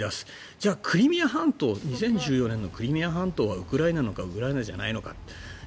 じゃあ、２０１４年のクリミア半島はウクライナなのかウクライナじゃないのか。